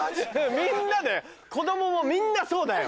みんな子供もみんなそうだよ。